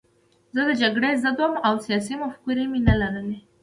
زه د جګړې ضد وم او سیاسي مفکوره مې نه لرله